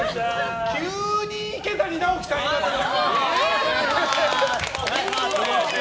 急に池谷直樹さんいらっしゃる。